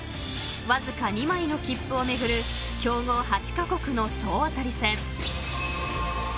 ［わずか２枚の切符を巡る強豪８カ国の総当たり戦］